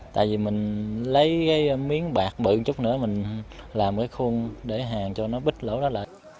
tại vì mình lấy cái miếng bạc bự chút nữa mình làm cái khuôn để hàng cho nó bít lỗ đó lại